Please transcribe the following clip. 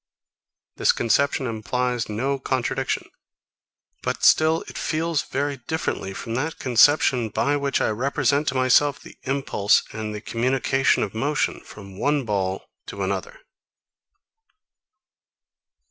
This conception implies no contradiction; but still it feels very differently from that conception by which I represent to myself the impulse and the communication of motion from one ball to another.